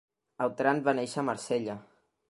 Autran va néixer a Marsella.